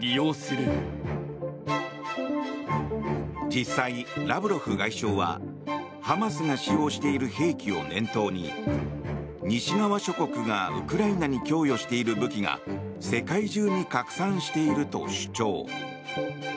実際、ラブロフ外相はハマスが使用している兵器を念頭に西側諸国がウクライナに供与している武器が世界中に拡散していると主張。